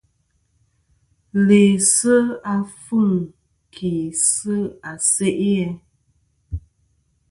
Laysɨ àfuŋ ki sɨ a se'i.